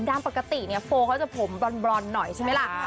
ดังปกติเนี้ยโฟเขาจะผมบลอดบลอดหน่อยใช่ไหมล่ะ